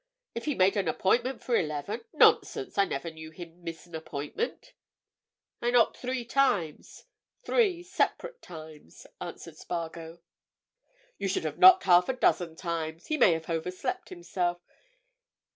If he made an appointment for eleven? Nonsense—I never knew him miss an appointment!" "I knocked three times—three separate times," answered Spargo. "You should have knocked half a dozen times—he may have overslept himself.